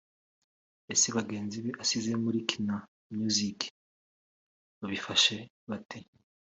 Ese bagenzi be asize muri Kina Music babifashe bate